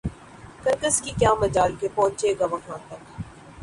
کرگس کی کیا مجال کہ پہنچے گا وہاں تک